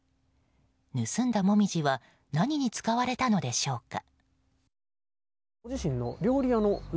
盗んだモミジは何に使われたのでしょうか。